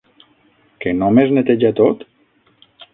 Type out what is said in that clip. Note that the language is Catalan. Que només neteja tot?